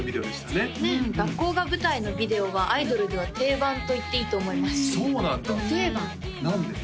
ねっ学校が舞台のビデオはアイドルでは定番といっていいと思いますそうなんだ何で？